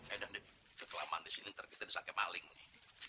eh dan dikelaman di sini ntar kita bisa kemaling nih